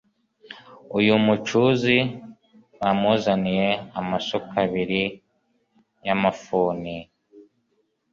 Uyu mucuzi bamuzaniye amasuka abiri y'amafuni